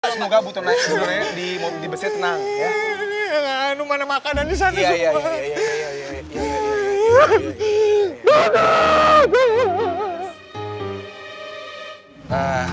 semoga butuh naik sebenarnya di besi tenang ya